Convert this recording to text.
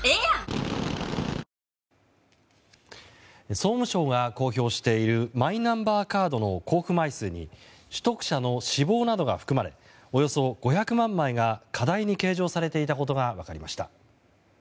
総務省が公表しているマイナンバーカードの交付枚数に取得者の死亡などが含まれおよそ５００万枚が過大に計上されていたことが分かりました。